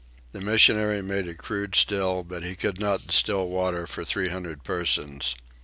The missionary made a crude still, but he could not distill water for three hundred persons.